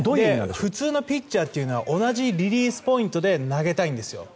普通のピッチャーは同じリリースポイントで投げたいんですよ。